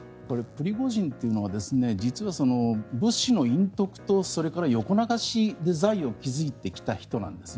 プリゴジンというのは実は物資の隠匿とそれから横流しで財を築いてきた人なんです。